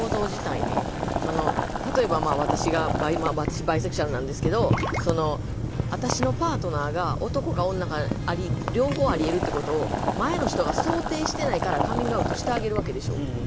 例えば私が私バイセクシュアルなんですけど私のパートナーが男か女か両方ありえるってことを前の人が想定してないからカミングアウトしてあげるわけでしょ。